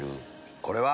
これは。